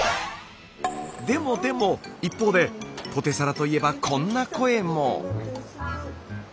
でもでも一方でポテサラといえばこんな声も。